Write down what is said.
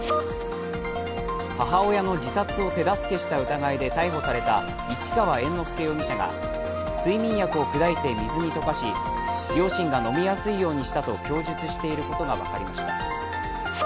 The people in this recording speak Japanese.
母親の自殺を手助けした疑いで逮捕された市川猿之助容疑者が睡眠薬を砕いて水に溶かし、両親が飲みやすいようにしたと供述していることが分かりました。